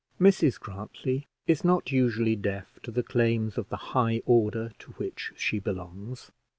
Mrs Grantly is not usually deaf to the claims of the high order to which she belongs.